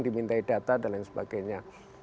dimintai data dan lain sebagainya